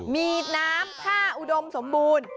มีน้ำผ้าอุดมสมบูรณ์